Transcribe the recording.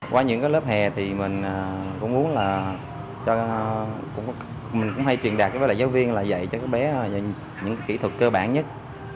qua những lớp hè thì mình cũng muốn là cho mình cũng hay truyền đạt với lại giáo viên là dạy cho các bé những kỹ thuật cơ bản nhất